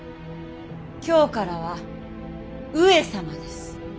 今日からは上様です。